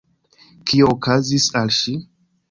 Kio okazis al ŝi?